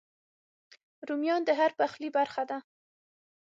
رومیان د هر پخلي برخه دي